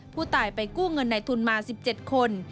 ผู้ตายไปกู้เงินในทุนมา๑๗คน